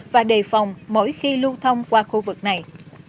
và đề phòng mỗi khi lưu thông qua khu vực này